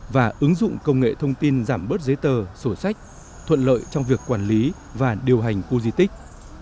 và ứng dụng công nghệ thông tin giảm bớt giấy tờ sổ sách thuận lợi trong việc quản lý và điều hành khu di tích